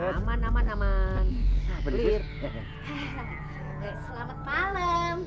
zaman hai tuhan ya hai aman aman